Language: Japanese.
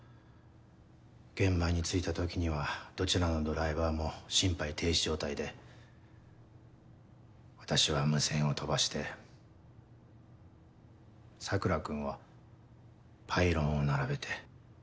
現場に着いた時にはどちらのドライバーも心肺停止状態で私は無線を飛ばして桜君はパイロンを並べて。